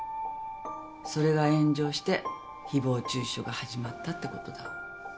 それが炎上して誹謗中傷が始まったってことだ。